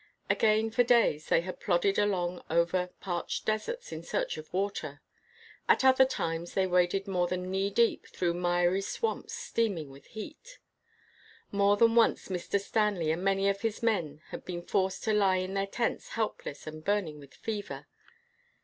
Again for days they had plodded along over parched deserts in search of water. At other times they waded more than knee deep through miry swamps steaming with heat. More than once Mr. Stanley and many of his men had been forced to lie in their tents helpless and burning with fever.